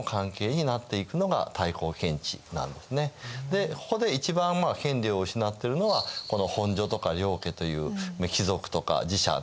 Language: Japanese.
でここで一番権利を失っているのはこの本所とか領家という貴族とか寺社なんですね。